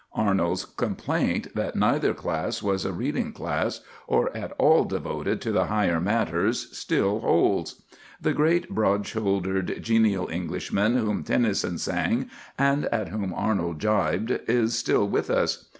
Arnold's complaint that neither class was a reading class or at all devoted to the higher matters still holds. The great, broad shouldered, genial Englishman whom Tennyson sang and at whom Arnold gibed is still with us.